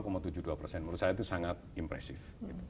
menurut saya itu sangat impresif